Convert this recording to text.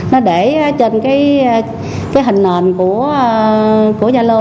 nó để trên cái hình nền của zalo